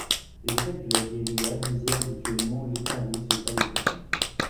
Les attaques de la guérilla visaient habituellement l'État russe et pas les chrétiens.